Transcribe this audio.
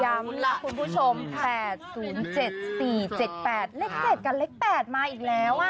ย้ำล่ะคุณผู้ชม๘๐๗๔๗๘เลขเกดกันเลขแปดมาอีกแล้วอ่ะ